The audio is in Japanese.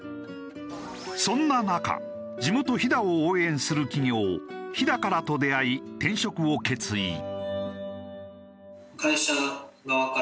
そんな中地元飛騨を応援する企業ヒダカラと出会い転職を決意。